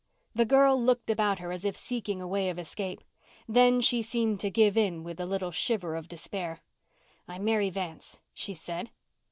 The girl looked about her as if seeking a way of escape. Then she seemed to give in with a little shiver of despair. "I'm Mary Vance," she said.